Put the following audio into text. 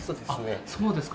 そうですか。